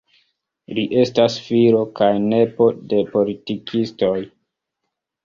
Li estas filo kaj nepo de politikistoj.